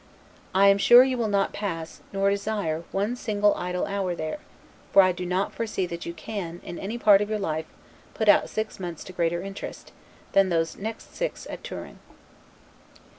I am sure you will not pass, nor desire, one single idle hour there: for I do not foresee that you can, in any part of your life, put out six months to greater interest, than those next six at Turin.